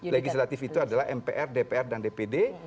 legislatif itu adalah mpr dpr dan dpd